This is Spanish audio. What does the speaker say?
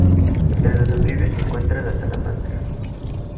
Entre los anfibios se encuentra la salamandra.